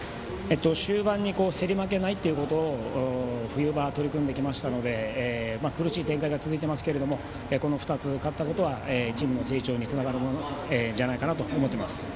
終盤に競り負けないということを冬場取り組んできましたので苦しい展開が続いてますけれどもこの２つ勝ったことはチームの成長につながるものじゃないかなと思っています。